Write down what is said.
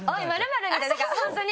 本当に。